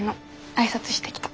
挨拶してきた。